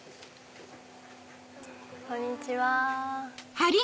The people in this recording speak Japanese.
こんにちは。